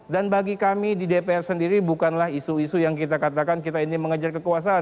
dan bagi kami di dpr sendiri bukanlah isu isu yang kita katakan kita ini mengejar kekuasaan